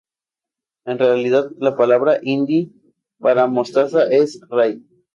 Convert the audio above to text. En realidad, la palabra hindi para mostaza es "rai".